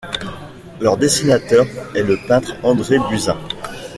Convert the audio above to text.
Leur dessinateur est le peintre André Buzin.